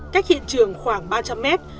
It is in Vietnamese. cách hiện trường khoảng ba trăm linh mét